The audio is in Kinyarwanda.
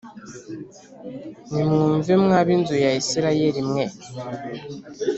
Nimwumve mwa b’inzu ya Isirayeli mwe